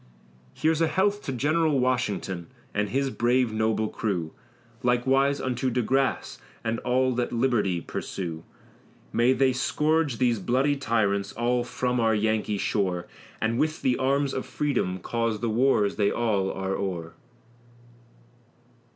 Here's a health to General Washington, and his brave noble crew, Likewise unto De Grasse, and all that liberty pursue; May they scourge these bloody tyrants, all from our Yankee shore, And with the arms of Freedom cause the wars they are all o'er.